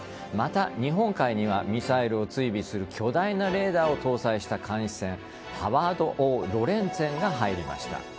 また、日本海にはミサイルを追尾する巨大なデータを搭載した監視船「ハワード・Ｏ・ロレンツェン」が入りました。